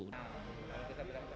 menurut asosiasi persatuan pusat belanja